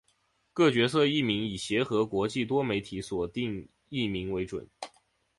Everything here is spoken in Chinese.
各角色译名以协和国际多媒体所定译名为准。